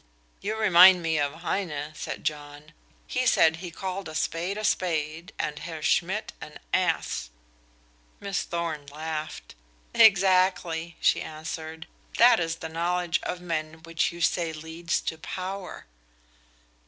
"You remind me of Heine," said John. "He said he called a spade a spade, and Herr Schmidt an ass." Miss Thorn laughed. "Exactly," she answered, "that is the knowledge of men which you say leads to power."